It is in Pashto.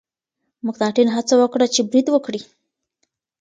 مکناتن هڅه وکړه چې برید وکړي.